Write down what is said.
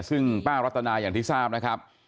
ซึ่งป้ารัตนาอย่างที่ทราบนะครับ